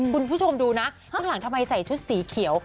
คุณผู้ชมดูนะข้างหลังทำไมใส่ชุดสีเขียว